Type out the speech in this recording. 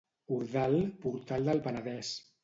Ordal, portal del Penedès.